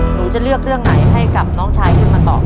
หนูจะเลือกเรื่องไหนให้กับน้องชายขึ้นมาตอบ